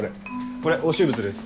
これ押収物です。